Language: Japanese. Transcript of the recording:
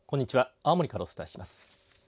青森からお伝えします。